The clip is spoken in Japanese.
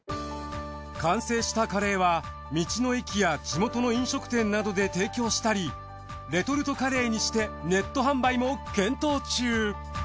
完成したカレーは道の駅や地元の飲食店などで提供したりレトルトカレーにしてネット販売も検討中。